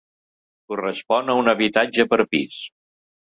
Correspon a un habitatge per pis.